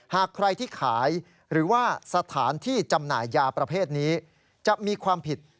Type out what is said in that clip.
หากใครที่ขายหรือว่าสถานที่จำหน่ายยาประเภทนี้จะมีความผิด